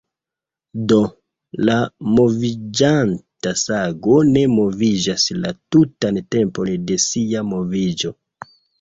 Do, la moviĝanta sago ne moviĝas la tutan tempon de sia moviĝo".